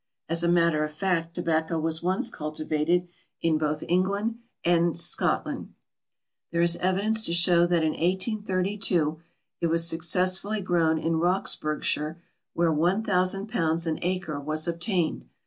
As a matter of fact tobacco was once cultivated in both England and Scotland. There is evidence to show that in 1832 it was successfully grown in Roxburghshire, where 1000 pounds an acre was obtained.